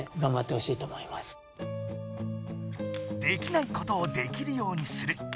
できないことをできるようにする。